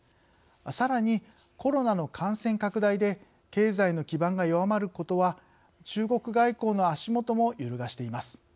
さらに、コロナの感染拡大で経済の基盤が弱まることは中国外交の足元も揺るがしています。